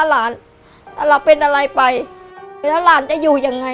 เราเหลือเป็นอะไรไปแล้วร้านจะอยู่ยังไง